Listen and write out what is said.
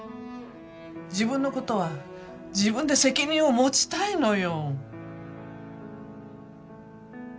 自分のことは自分で責任を持ちたいのよ。